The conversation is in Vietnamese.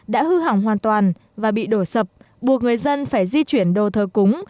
đã hư hỏng hoàn toàn và bị đổ sập buộc người dân phải di chuyển đồ thờ cúng